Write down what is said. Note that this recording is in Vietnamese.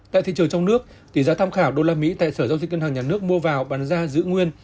tại thị trường trong nước tỷ giá tham khảo usd tại sở giao dịch ngân hàng nhà nước mua vào bán ra giữ nguyên